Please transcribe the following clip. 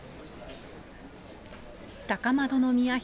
高円宮妃